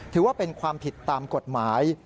ถือว่าเป็นความผิดตามกฎหมาย